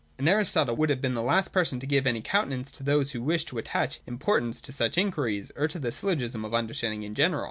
And Aristotle would have been the last person to give any countenance to those who wish to attach importance to such inquiries or to the syllogism of understanding in general.